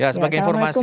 ya sebagai informasi